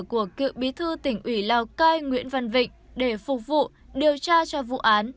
của cựu bí thư tỉnh ủy lào cai nguyễn văn vịnh để phục vụ điều tra cho vụ án